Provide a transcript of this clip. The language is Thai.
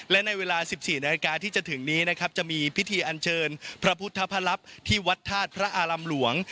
และในเวลา๑๔นาฬิกาที่จะถึงนี้นะครับจะมีพิธีอันเชิญพระพุทธพระลับที่วัดธาตุพระอารำหลวง